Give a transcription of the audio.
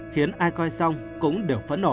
khiến ai coi xong cũng đều phẫn nộ